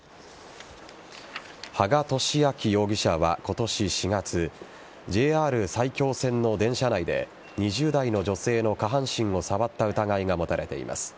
羽賀聡明容疑者は、今年４月ＪＲ埼京線の電車内で２０代の女性の下半身を触った疑いが持たれています。